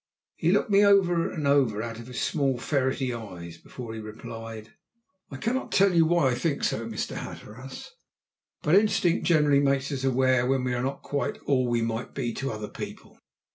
He looked me over and over out of his small ferrety eyes before he replied: "I cannot tell you why I think so, Mr. Hatteras, but instinct generally makes us aware when we are not quite all we might be to other people.